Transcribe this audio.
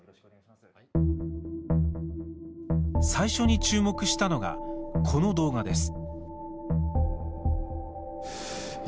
最初に注目したのがこの動画です。